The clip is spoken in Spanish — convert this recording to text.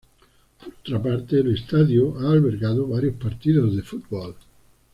Por otra parte, el estadio ha albergado varios partidos de fútbol.